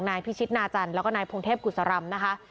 นายพี่ชิษฎ์หนาจันทร์และนายพรงเทพกุศรบร์นะคะ